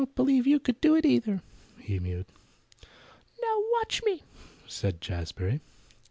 I don't believe you could do it, either," he mewed. "Now watch me!" said Jazbury.